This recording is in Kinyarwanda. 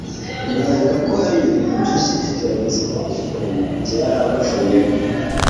Nyina avuga ko hari ibintu byinshi by'igeragezwa bamukoreye igihe yari abivuyemo.